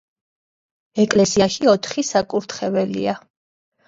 ეკლესიაში ოთხი საკურთხეველია.